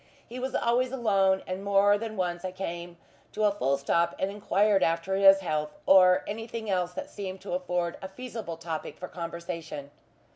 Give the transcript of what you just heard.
He was always alone, and more than once I came to a full stop and enquired after his health, or anything else that seemed to afford a feasible topic for conversation.